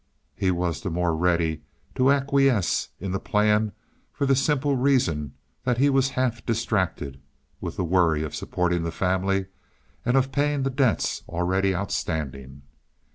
He was the more ready to acquiesce in the plan for the simple reason that he was half distracted with the worry of supporting the family and of paying the debts already outstanding.